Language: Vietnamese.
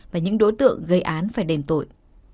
và những đối tượng gây án phải đền tội